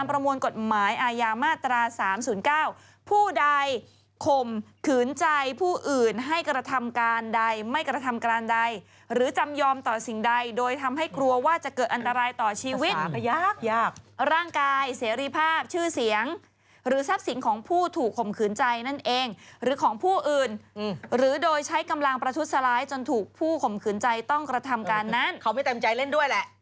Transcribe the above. ประมวลกฎหมายอาญามาตรา๓๐๙ผู้ใดข่มขืนใจผู้อื่นให้กระทำการใดไม่กระทำการใดหรือจำยอมต่อสิ่งใดโดยทำให้กลัวว่าจะเกิดอันตรายต่อชีวิตร่างกายเสรีภาพชื่อเสียงหรือทรัพย์สินของผู้ถูกข่มขืนใจนั่นเองหรือของผู้อื่นหรือโดยใช้กำลังประทุษร้ายจนถูกผู้ข่มขืนใจต้องกระทำการนั้นเขาไม่เต็มใจเล่นด้วยแหละ